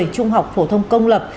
trung học phổ thông công lập